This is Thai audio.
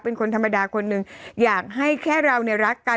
เป็นคนธรรมดาคนหนึ่งอยากให้แค่เราเนี่ยรักกัน